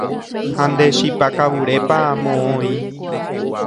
Ha nde chipa kavurépa moõ oĩ.